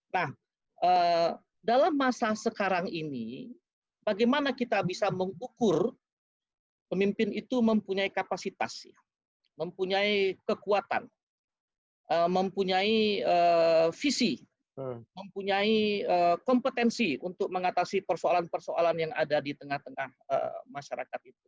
nah dalam masa sekarang ini bagaimana kita bisa mengukur pemimpin itu mempunyai kapasitas mempunyai kekuatan mempunyai visi mempunyai kompetensi untuk mengatasi persoalan persoalan yang ada di tengah tengah masyarakat itu